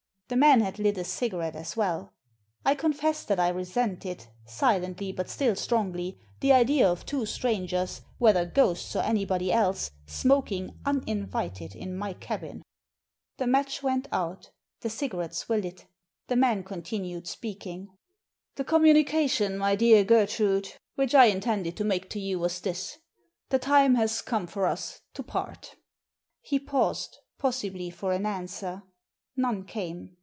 The man had lit a cigarette as well. I confess that I resented — silently, but still strongly — the idea of two strangers, Digitized by VjOOQIC_ THE HOUSEBOAT 277 whether ghosts or anybody else, smoking, uninvited, in my cabin. The match went out The cigarettes were lit The man continued speaking. "The communication, my dear Gertrude, which I intended to make to you was this. The time has come for us to part" He paused, possibly for an answer. None came.